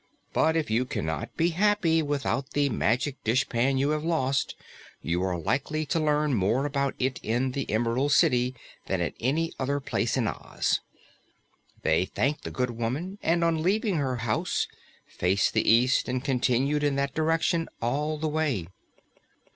But if you cannot be happy without the magic dishpan you have lost, you are likely to learn more about it in the Emerald City than at any other place in Oz." They thanked the good woman, and on leaving her house faced the east and continued in that direction all the way.